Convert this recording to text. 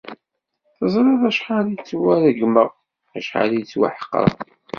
Teẓriḍ acḥal i ttwaregmeɣ, acḥal i ttwaḥeqreɣ.